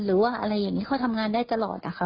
หรือว่าอะไรอย่างนี้เขาทำงานได้ตลอดอะค่ะ